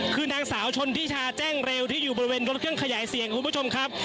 คือนางสาวชนทิชาแจ้งเร็วที่อยู่บริเวณรถเครื่องขยายเสียงคุณผู้ชมครับ